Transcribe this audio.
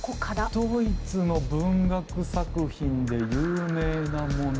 ドイツの文学作品で有名なもの